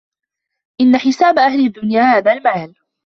إنَّ حِسَابَ أَهْلِ الدُّنْيَا هَذَا الْمَالُ